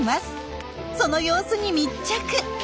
その様子に密着。